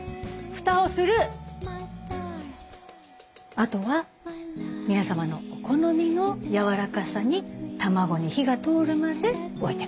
あとは皆様のお好みのやわらかさに卵に火が通るまで置いてください。